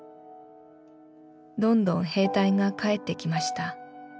どんどん兵隊が帰って来ました。